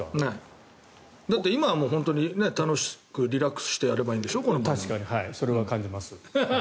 だって今はもう楽しくリラックスしてやればいいんでしょ？それは感じます。